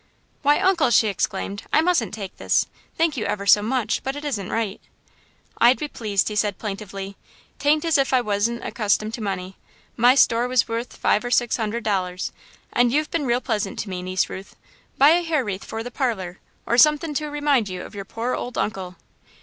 "Why, Uncle!" she exclaimed. "I mustn't take this! Thank you ever so much, but it isn't right!" "I'd be pleased," he said plaintively. "'Taint as if I wan's accustomed to money. My store was wuth five or six hundred dollars, and you've been real pleasant to me, Niece Ruth. Buy a hair wreath for the parlour, or sunthin' to remind you of your pore old Uncle."